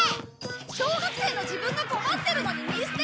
小学生の自分が困ってるのに見捨てる気！？